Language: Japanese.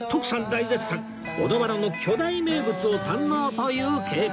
大絶賛小田原の巨大名物を堪能という計画